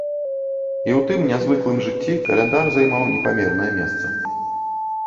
І ў тым нязвыклым жыцці каляндар займаў непамернае месца.